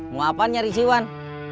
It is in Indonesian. mau apaan nyari si iwan